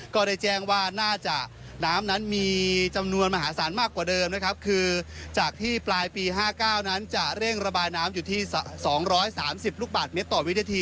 ก็ได้แจ้งว่าน่าจะน้ำนั้นมีจำนวนมหาศาลมากกว่าเดิมนะครับคือจากที่ปลายปี๕๙นั้นจะเร่งระบายน้ำอยู่ที่๒๓๐ลูกบาทเมตรต่อวินาที